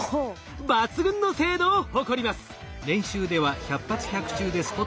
抜群の精度を誇ります。